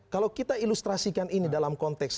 kalau kita ilustrasikan ini dalam konteks